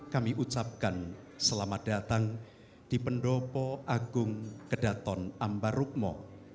kami ucapkan selamat datang di pendopo agung kedaton ambarukmo